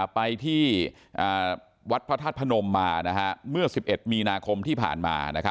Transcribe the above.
ไปที่วัดพระธาตุพนมมาเมื่อ๑๑มีนาคมที่ผ่านมา